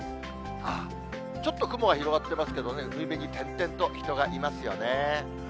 ちょっと雲が広がってますけど、海に点々と人がいますよね。